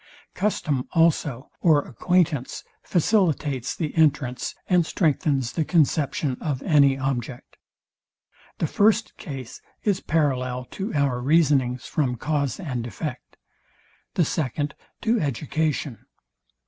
Custom also, or acquaintance facilitates the entrance, and strengthens the conception of any object. The first case is parallel to our reasonings from cause and effect; the second to education.